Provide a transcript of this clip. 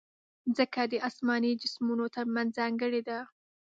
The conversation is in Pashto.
مځکه د اسماني جسمونو ترمنځ ځانګړې ده.